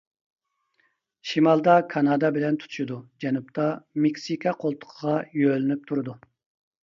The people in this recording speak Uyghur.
شىمالدا كانادا بىلەن تۇتىشىدۇ، جەنۇبتا مېكسىكا قولتۇقىغا يۆلىنىپ تۇرىدۇ.